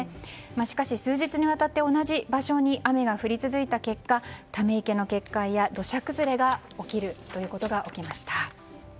しかし数日にわたって同じ場所に雨が降り続いた結果ため池の決壊や土砂崩れが起きるということが起きました。